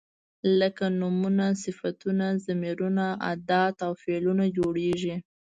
لکه نومونه، صفتونه، ضمیرونه، ادات او فعلونه جوړیږي.